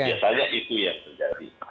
biasanya itu yang terjadi